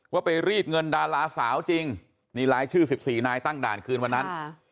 ว่าไปรีดเงินดาราสาวจริงนี่รายชื่อ๑๔นายตั้งด่านคืนวันนั้น